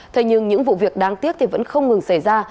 thế nhưng những vụ việc đáng tiếc thì vẫn không ngừng xảy ra